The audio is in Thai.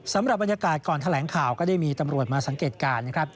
สำหรับบรรยากาศก่อนแถลงข่าวก็ได้มีตำรวจมาสังเกตการณ์นะครับ